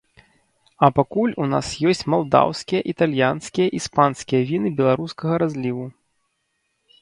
А пакуль у нас ёсць малдаўскія, італьянскія, іспанскія віны беларускага разліву.